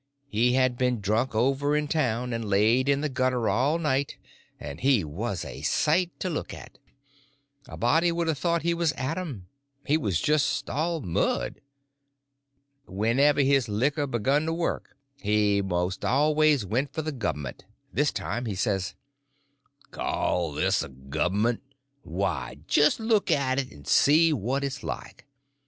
He had been drunk over in town, and laid in the gutter all night, and he was a sight to look at. A body would a thought he was Adam—he was just all mud. Whenever his liquor begun to work he most always went for the govment, this time he says: "Call this a govment! why, just look at it and see what it's like.